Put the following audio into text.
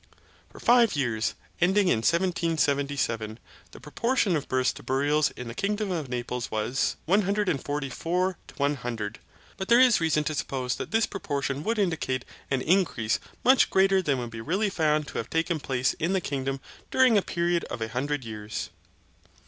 For five years, ending in 1777, the proportion of births to burials in the kingdom of Naples was 144 to 100, but there is reason to suppose that this proportion would indicate an increase much greater than would be really found to have taken place in that kingdom during a period of a hundred years.